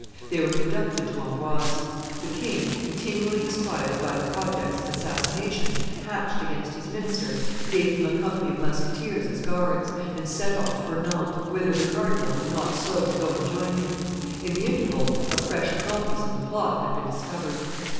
They were conducted to Amboise. The king, continually disquieted by the projects of assassination hatched against his minister, gave him a company of musketeers as guards, and set off for Nantes, whither the cardinal was not slow to go and join him. In the interval, a fresh accomplice in the plot had been discovered.